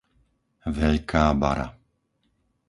Veľká Bara